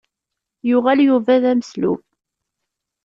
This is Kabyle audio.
Yuɣal Yuba d ameslub.